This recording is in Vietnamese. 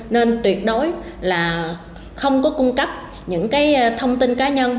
nên tuyệt đối không cung cấp những thông tin cá nhân